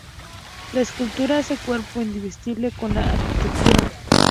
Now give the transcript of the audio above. La escultura hace cuerpo, indivisible, con la arquitectura.